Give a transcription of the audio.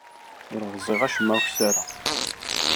Ur rẓiɣ acemma ukessar-a.